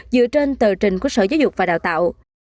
dựa trên tờ trình của sở giáo dục và đào tạo